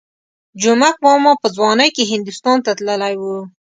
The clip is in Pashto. جومک ماما په ځوانۍ کې هندوستان ته تللی وو.